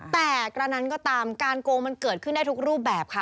แต่กระนั้นก็ตามการโกงมันเกิดขึ้นได้ทุกรูปแบบค่ะ